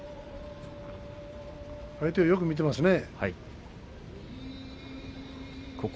相手をよく見ていますね。